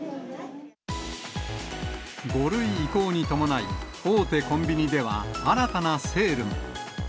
５類移行に伴い、大手コンビニでは、新たなセールも。